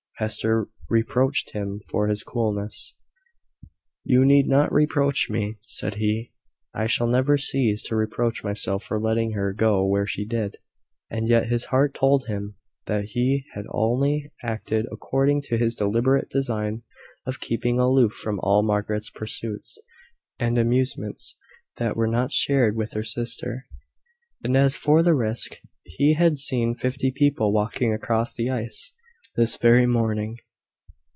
Hester reproached him for his coolness. "You need not reproach me," said he. "I shall never cease to reproach myself for letting her go where she did." And yet his heart told him that he had only acted according to his deliberate design of keeping aloof from all Margaret's pursuits and amusements that were not shared with her sister. And as for the risk, he had seen fifty people walking across the ice this very morning.